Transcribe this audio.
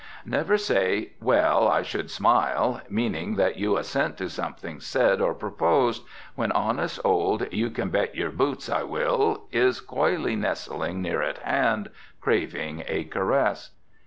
Never say, "Well, I should smile," meaning that you assent to something said or proposed, when honest old "You can bet your boots I will" is coyly nestling near at hand, craving a caress.